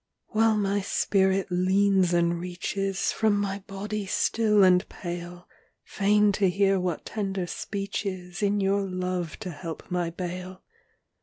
While my spirit leans and reaches From my body still and pale, Fain to hear what tender speech is In your love to help my bale.